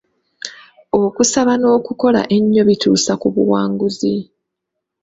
Okusaba n'okukola ennyo bituusa ku buwanguzi.